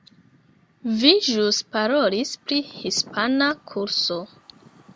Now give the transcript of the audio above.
Vi ĵus parolis pri hispana kurso.